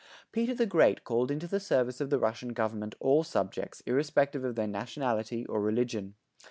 Peter the Great called into the service of the Russian government all subjects irrespective of their nationality or religion.